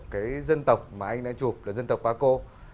cái dân tộc mà anh đã chụp là dân tộc qua cô